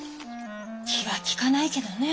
気は利かないけどね。